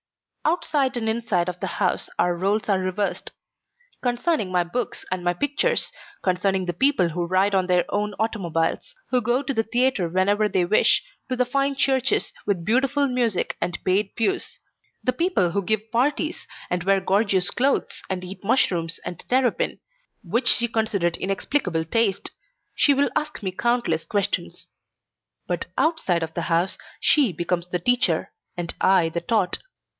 Outside and inside of the house our roles are reversed. Concerning my books and my pictures, concerning the people who ride in their own automobiles, who go to the theatre whenever they wish, to the fine churches with beautiful music and paid pews; the people who give parties and wear gorgeous clothes and eat mushrooms and terrapin which she considered inexplicable taste she will ask me countless questions; but outside of the house she becomes the teacher and I the taught.